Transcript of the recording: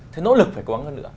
thì nỗ lực phải cố gắng hơn nữa